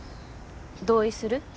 同意する？